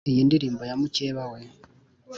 iyi ndirimbo ya mukeba we.